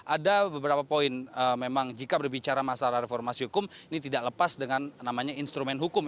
ada beberapa poin memang jika berbicara masalah reformasi hukum ini tidak lepas dengan namanya instrumen hukum